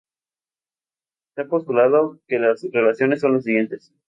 Se ha postulado que las relaciones son las siguientesː